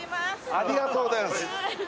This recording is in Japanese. ありがとうございます